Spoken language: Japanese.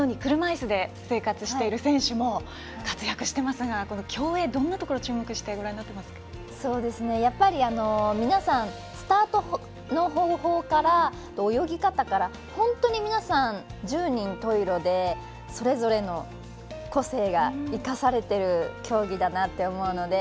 同じように車いすで生活している選手も活躍してますが競泳、どんなところを皆さんスタートの方法から泳ぎ方から本当に皆さん十人十色で、それぞれの個性が生かされている競技だなって思うので。